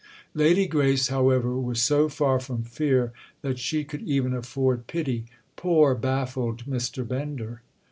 Lady Grace, however, was so far from fear that she could even afford pity. "Poor baffled Mr. Bender!"